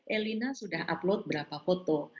elina sudah upload berapa foto